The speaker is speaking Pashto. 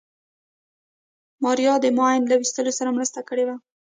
ماريا د ماين له ويستلو سره مرسته کړې وه.